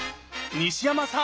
西山さん